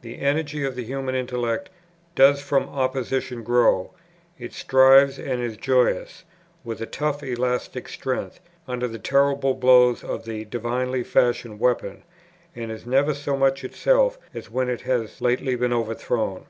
The energy of the human intellect "does from opposition grow;" it thrives and is joyous, with a tough elastic strength, under the terrible blows of the divinely fashioned weapon, and is never so much itself as when it has lately been overthrown.